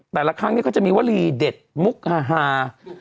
แต่ละครั้งนี้ก็จะมีวลีเด็ดมุกฮา